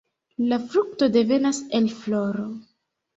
La frukto devenas el floro.